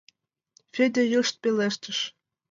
— Федя йышт пелештыш.